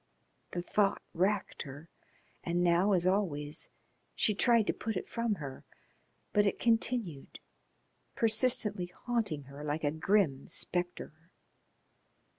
The thought racked her, and now, as always, she tried to put it from her, but it continued, persistently haunting her like a grim spectre.